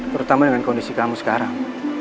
terutama dengan kondisi kamu sekarang